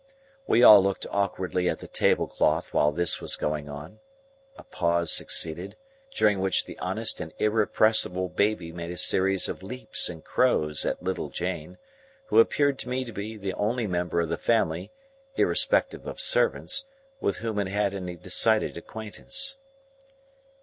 We all looked awkwardly at the tablecloth while this was going on. A pause succeeded, during which the honest and irrepressible baby made a series of leaps and crows at little Jane, who appeared to me to be the only member of the family (irrespective of servants) with whom it had any decided acquaintance.